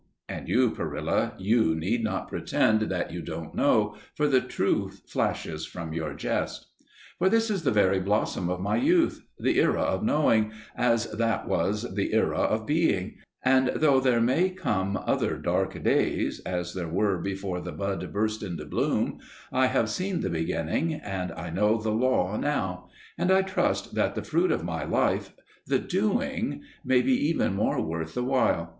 (And you, Perilla, you need not pretend that you don't know, for the truth flashes from your jest!) For this is the very blossom of my youth, the era of knowing, as that was the era of being, and though there may come other dark days, as there were before the bud burst into bloom, I have seen the beginning and I know the law now, and I trust that the fruit of my life, the doing, may be even more worth the while.